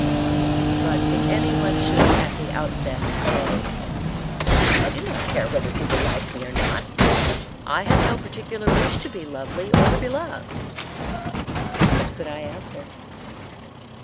But if anyone should at the outset say, "I do not care whether people like me or not, I have no particular wish to be lovely or beloved," what could I answer?